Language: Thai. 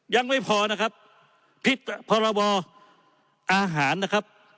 ยังไม่พอนะครับผิดพรบอาหารนะครับ